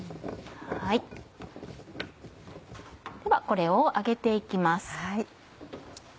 ではこれを揚げて行きます。